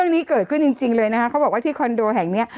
พี่เนี่ยกลัวตลอดเลย